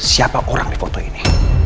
siapa orang di foto ini